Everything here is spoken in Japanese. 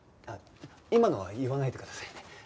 あっ今のは言わないでくださいね。